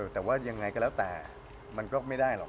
แต่ว่ายังไงก็แล้วแต่มันก็ไม่ได้หรอก